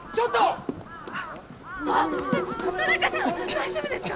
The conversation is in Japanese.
大丈夫ですか？